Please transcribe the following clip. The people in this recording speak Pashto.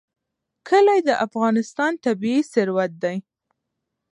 کلي د افغانستان طبعي ثروت دی.